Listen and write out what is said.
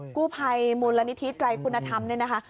กู้ภัยมูลละนิทิศไตร์คุณธรรมนี่นะคะ